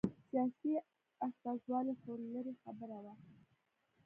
سیاسي استازولي خو لرې خبره وه